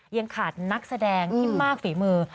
ยังขาดนักแสดงที่มากฝีมือ